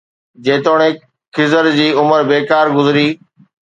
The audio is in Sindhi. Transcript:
جيتوڻيڪ خضر جي عمر بيڪار گذري